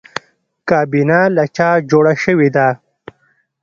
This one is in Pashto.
کابینه له چا جوړه شوې ده؟